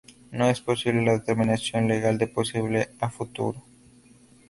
No es posible la determinación legal del posible "a futuro".